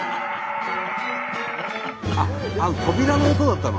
あっあの扉の音だったの？